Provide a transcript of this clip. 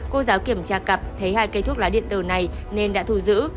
cô giáo kiểm tra cặp thấy hai cây thuốc lá điện tử này nên đã thu giữ